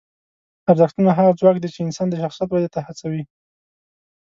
ارزښتونه هغه ځواک دی چې انسان د شخصیت ودې ته هڅوي.